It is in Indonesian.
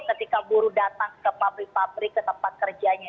ketika buruh datang ke pabrik pabrik ke tempat kerjanya